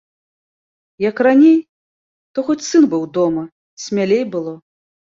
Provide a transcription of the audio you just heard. Як раней, то хоць сын быў дома, смялей было.